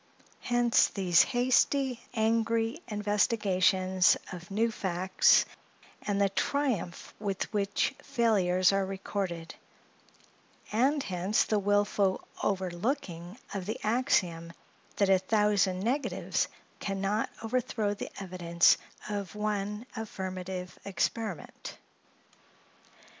Hence, these hasty, angry investigations of new facts, and the triumph with which failures are recorded; and hence the wilful overlooking of the axiom that a thousand negatives can not overthrow the evidence of one affirmative experiment.